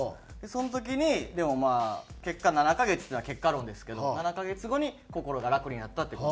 その時にでもまあ結果７カ月っていうのは結論ですけど７カ月後に心が楽になったっていう事なんですけど。